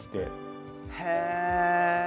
へえ！